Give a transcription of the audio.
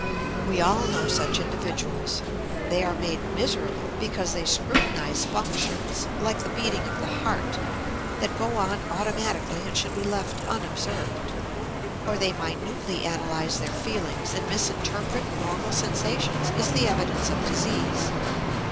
We all know such individuals. They are made miserable because they scrutinize functions, like the beating of the heart, that go on automatically and should be left unobserved, or they minutely analyze their feelings and misinterpret normal sensations as the evidence of disease.